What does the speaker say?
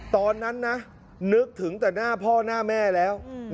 ตอนนั้นนะนึกถึงแต่หน้าพ่อหน้าแม่แล้ว